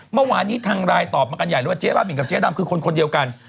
เมื่อวานนี้ทางไลน์ตอบมากันใหญ่เลยว่าเจ๊บ้าบินกับเจ๊ดำคือคนคนเดียวกัน